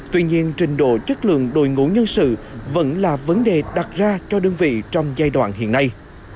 tuy nhiên trình độ chất lượng đội ngũ nhân sự vẫn là vấn đề đặt ra cho đơn vị trong giai đoạn hiện nay